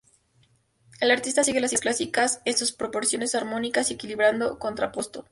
El artista sigue las ideas clásicas en sus proporciones armónicas y equilibrado "contrapposto".